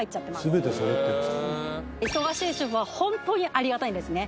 ・全て揃ってますか忙しい主婦はホントにありがたいんですね